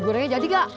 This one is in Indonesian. bu gorengnya jadi gak